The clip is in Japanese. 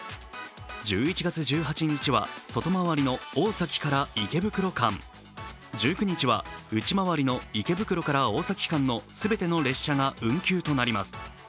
１１月１８日は外回りの大崎から池袋間、１９日は内回りの池袋から大崎間の全ての列車が運休となります。